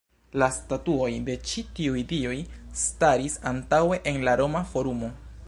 La statuoj de ĉi tiuj dioj staris antaŭe en la Roma Forumo.